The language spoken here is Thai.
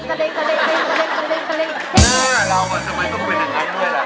หน้าเราแล้วทำไมต้องเป็นอะไรด้วยล่ะ